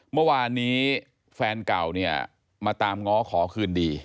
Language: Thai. เมื่อวานนี้แฟนเก่าเนี่ยมาตามง้อขอคืนดี